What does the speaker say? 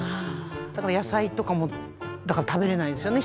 だから野菜とかも食べれないですよね